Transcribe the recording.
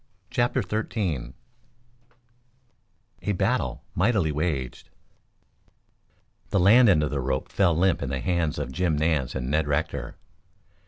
CHAPTER XIII A BATTLE MIGHTILY WAGED The land end of the rope fell limp in the hands of Jim Nance and Ned Rector.